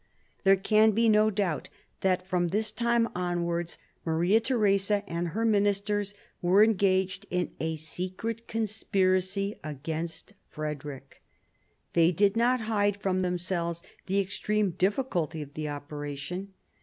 There can be no doubt that from this time onwards Maria Theresa and her ministers were engaged in a secret conspiracy against Frederick. They did not hide from themselves the extreme difficulty of the operation.